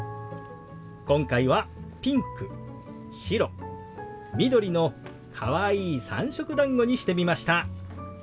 今回はピンク白緑のかわいい三色だんごにしてみました。